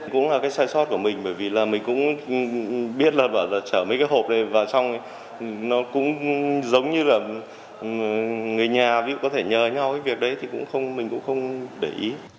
cũng là cái sai sót của mình bởi vì là mình cũng biết là trở mấy cái hộp này vào trong nó cũng giống như là người nhà có thể nhờ nhau cái việc đấy thì mình cũng không để ý